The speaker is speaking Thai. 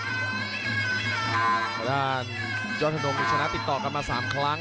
สวัสดีครับจอดธนมชนะติดต่อกันมา๓ครั้ง